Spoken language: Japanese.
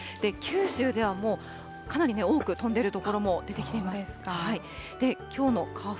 九州ではもうかなり多く飛んでる所も出てきています。